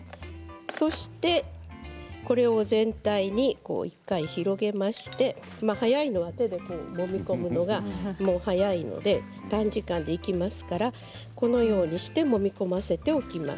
そしてこれを全体に１回広げまして早いのは手でもみ込むのが早いので短時間でできますからこのようにしてもみ込ませておきます。